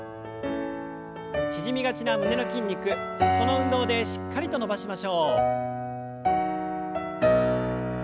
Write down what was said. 縮みがちな胸の筋肉この運動でしっかりと伸ばしましょう。